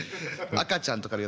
赤ちゃんとかの。